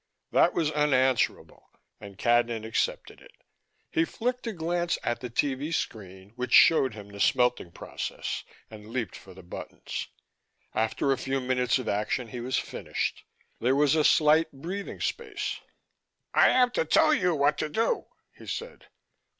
That was unanswerable, and Cadnan accepted it. He flicked a glance at the TV screen which showed him the smelting process, and leaped for the buttons. After a few minutes of action he was finished: there was a slight breathing space. "I am to tell you what to do," he said.